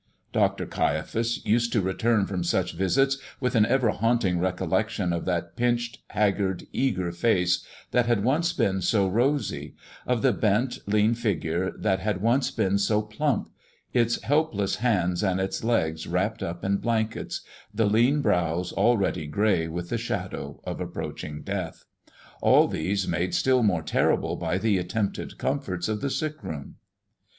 Dr. Caiaphas used to return from such visits with an ever haunting recollection of that pinched, haggard, eager face that had once been so rosy; of the bent, lean figure that had once been so plump its helpless hands and its legs wrapped up in blankets the lean brows already gray with the shadow of approaching death; all these made still more terrible by the attempted comforts of the sick room.